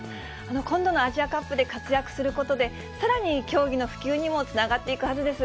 今度のアジアカップで活躍することで、さらに競技の普及にもつながっていくはずです。